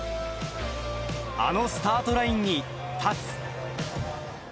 あのスタートラインに立つ。